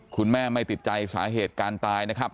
คุณแม่ไม่ติดใจสาเหตุการณ์ตายนะครับ